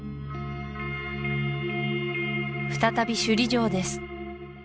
再び首里城です